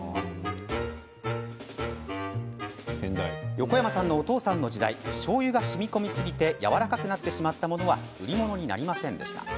横山さんのお父さんの時代しょうゆが、しみこみすぎてやわらかくなってしまったものは売り物になりませんでした。